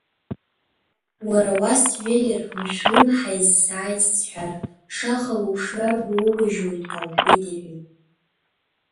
Уара, уа сҩеир, Мышәлымҳа изы сааит сҳәар, шахала ушҩарго уоурыжьует, ҳа лҳәит, иҳәит.